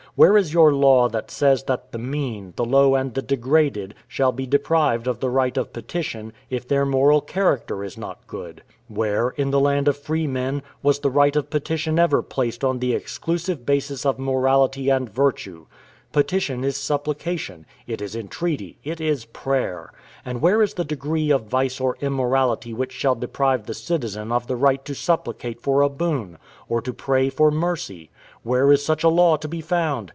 Where is your law that says that the mean, the low, and the degraded, shall be deprived of the right of petition, if their moral character is not good? Where, in the land of free men, was the right of petition ever placed on the exclusive basis of morality and virtue? Petition is supplication it is entreaty it is prayer! And where is the degree of vice or immorality which shall deprive the citizen of the right to supplicate for a boon, or to pray for mercy? Where is such a law to be found?